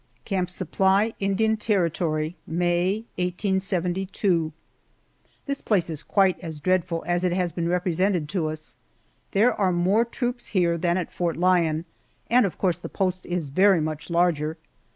CAMP SUPPLY, INDIAN TERRITORY, May, 1872. THIS place is quite as dreadful as it has been represented to us. There are more troops here than at Fort Lyon, and of course the post is very much larger.